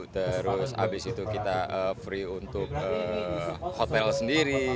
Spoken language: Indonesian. terus habis itu kita free untuk hotel sendiri